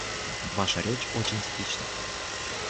Ваша речь очень типична.